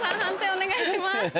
判定お願いします。